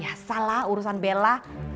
ya salah urusan bella